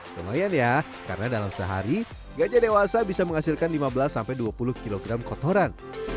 lumayan ya karena dalam sehari gajah dewasa bisa menghasilkan lima belas dua puluh kg kotoran